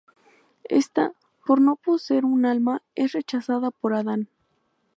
Ésta, por no poseer un alma, es rechazada por Adán.